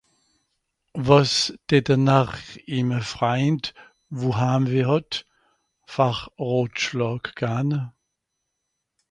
Wàs dätte-n-r ìme Freind, wo Haamweh hàt, far Rotschlààg gan?